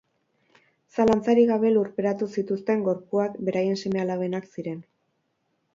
Zalantzarik gabe lurperatu zituzten gorpuak beraien seme-alabenak ziren.